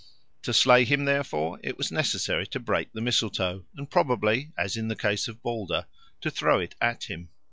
To slay him, therefore, it was necessary to break the mistletoe, and probably, as in the case of Balder, to throw it at him.